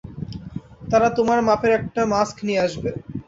তারা তোমার মাপের একটা মাস্ক নিয়ে আসবে।